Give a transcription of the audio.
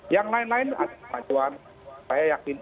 yang lain lain ada kemajuan